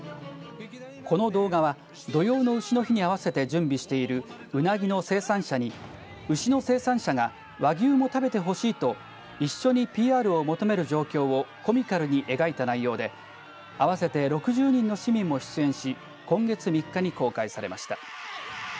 この動画は土用の丑の日に合わせて準備しているうなぎの生産者に牛の生産者が和牛も食べてほしいと一緒にＰＲを求める状況をコミカルに描いた内容で合わせて６０人の市民も出演し今月３日に公開されました。